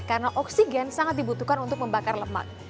karena oksigen sangat dibutuhkan untuk membakar lemak